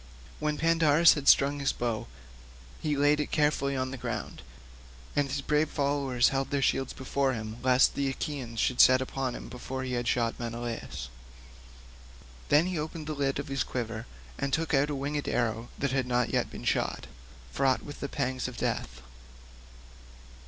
When Pandarus had strung his bow he laid it carefully on the ground, and his brave followers held their shields before him lest the Achaeans should set upon him before he had shot Menelaus. Then he opened the lid of his quiver and took out a winged arrow that had not yet been shot, fraught with the pangs of death.